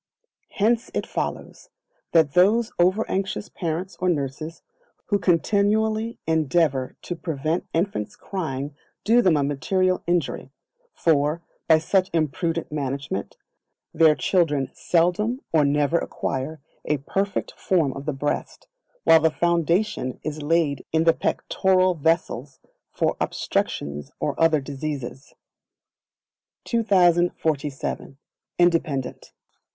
Hence it follows, that those over anxious parents or nurses, who continually endeavour to prevent infants crying do them a material injury; for, by such imprudent management, their children seldom or never acquire a perfect form of the breast, while the foundation is laid in the pectoral vessels for obstructions and other diseases. 2047. Independent.